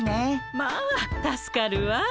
まあ助かるわ。